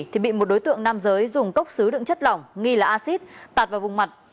thì bị một đối tượng nam giới dùng cốc xứ đựng chất lỏng nghi là acid tạt vào vùng mặt